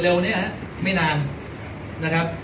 เร็วเนี่ยครับไม่นานนะครับ